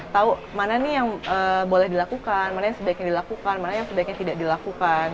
tahu mana nih yang boleh dilakukan mana yang sebaiknya dilakukan mana yang sebaiknya tidak dilakukan